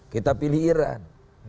kita pilih iran